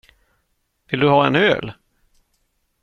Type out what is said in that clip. Vill du ha en öl?